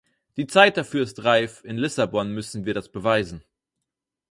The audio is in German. Die Zeit dafür ist reif, in Lissabon müssen wir das beweisen!